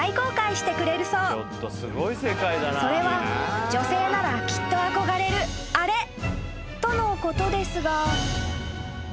［それは女性ならきっと憧れるあれとのことですが］